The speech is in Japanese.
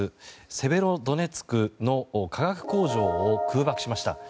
セベロドネツクの化学工場を空爆しました。